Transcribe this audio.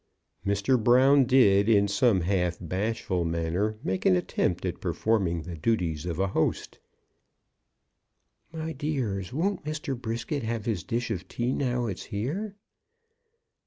Mr. Brown did, in some half bashful manner, make an attempt at performing the duties of a host. "My dears, won't Mr. Brisket have his dish of tea now it's here?"